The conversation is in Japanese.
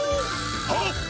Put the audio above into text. はっ！